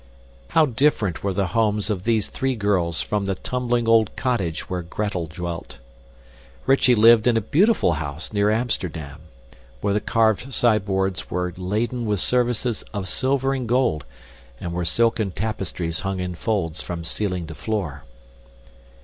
How different were the homes of these three girls from the tumbling old cottage where Gretel dwelt. Rychie lived in a beautiful house near Amsterdam, where the carved sideboards were laden with services of silver and gold and where silken tapestries hung in folds from ceiling to floor.